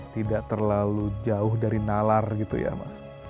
tidak terlalu jauh dari nalar gitu ya mas